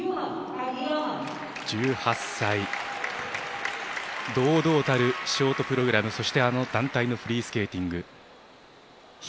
１８歳、堂々たるショートプログラムそして団体のフリースケーティング。